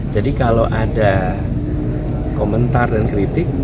jadi kalau ada komentar dan kritik